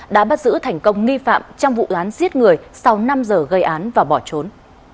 đã bắt giữ thành công nghi phạm trong vụ án giết người sau năm giờ gây án và bỏ trốn